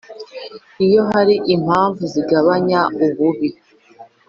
Iyo hari impamvu zigabanya ububi